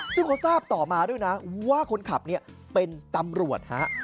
ซึ่งเขาทราบต่อมาด้วยนะว่าคนขับเนี่ยเป็นตำรวจฮะ